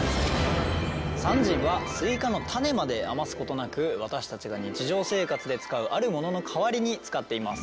サン人はスイカの種まで余すことなく私たちが日常生活で使うあるものの代わりに使っています。